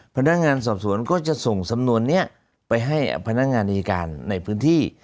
พนักงานสอบสวนก็จะส่งสำนวนนี้ไปให้พนักงานอายการในพื้นที่